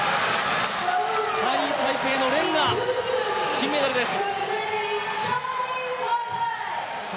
チャイニーズ・タイペイの連が金メダルです。